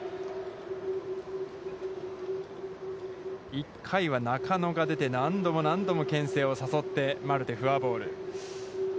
１回は中野が出て何度も何度も牽制を誘ってマルテ、フォアボール。